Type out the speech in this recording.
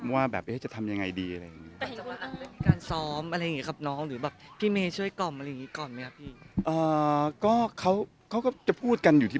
ว่าแบบเอ๊ะจะทำอย่างไรดี